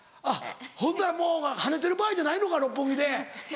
ほんならもう跳ねてる場合じゃないのか六本木で。